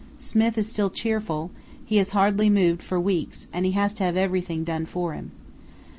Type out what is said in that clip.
Smith is still cheerful; he has hardly moved for weeks and he has to have everything done for him.